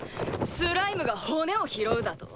スライムが骨を拾うだと？